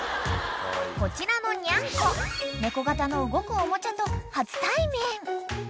［こちらのニャンコ猫型の動くおもちゃと初対面］